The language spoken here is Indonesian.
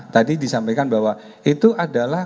tadi disampaikan bahwa itu adalah